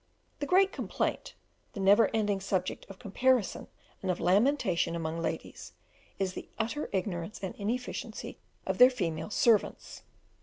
The great complaint, the never ending subject of comparison and lamentation among ladies, is the utter ignorance and inefficiency of their female servants.